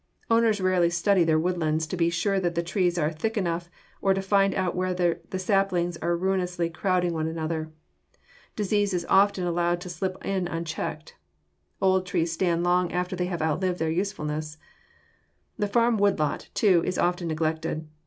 Owners rarely study their woodlands to be sure that the trees are thick enough, or to find out whether the saplings are ruinously crowding one another. Disease is often allowed to slip in unchecked. Old trees stand long after they have outlived their usefulness. The farm wood lot, too, is often neglected.